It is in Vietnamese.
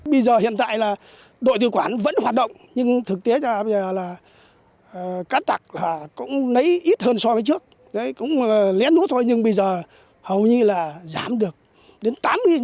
bây giờ hiện tại là đội tự quản vẫn hoạt động nhưng thực tế là cát tạc cũng lấy ít hơn so với trước cũng lén nút thôi nhưng bây giờ hầu như là giảm được đến tám mươi năm